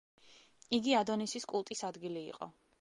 იგი ადონისის კულტის ადგილი იყო.